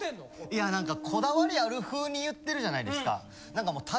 いや何かこだわりある風に言ってるじゃないですか。と思ってて。